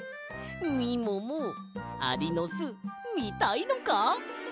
みももアリのすみたいのか？